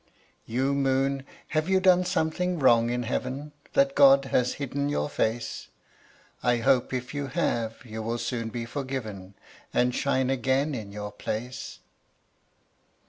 You moon, have you done something wrong in heaven That God has hidden your face? I hope if you have you will soon be forgiven, And shine again in your place.